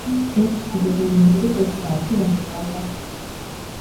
ერთ დიდებულ მეფეს ოცდაათი ვაჟი ყავდა.